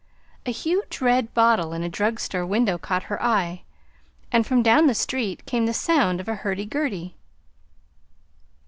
A huge red bottle in a drug store window caught her eye, and from down the street came the sound of a hurdy gurdy.